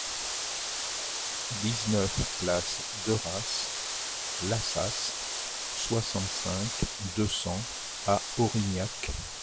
dix-neuf place Deras Laças, soixante-cinq, deux cents à Orignac